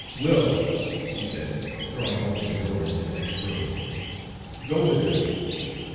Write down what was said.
Will," she said, throwing open the door into the next room, "go with her!"